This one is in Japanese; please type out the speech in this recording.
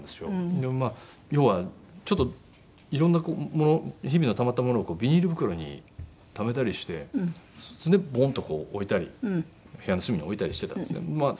でも要はちょっと色んなもの日々のたまったものをビニール袋にためたりしてボンッとこう置いたり部屋の隅に置いたりしてたんですね。